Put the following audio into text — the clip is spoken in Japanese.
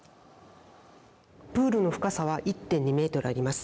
プールの深さは１．２ｍあります。